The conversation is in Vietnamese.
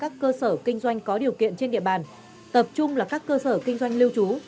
cơ quan công an phường một đã tập trung vào các điều kiện trên địa bàn tập trung là các cơ sở kinh doanh lưu trú